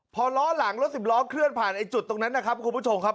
พอล้อหลังรถสิบล้อเคลื่อนผ่านจุดตรงนั้นนะครับคุณผู้ชมครับ